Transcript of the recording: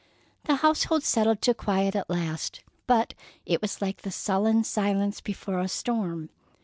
The household settled to quiet at last, but it was like the sullen silence before a storm.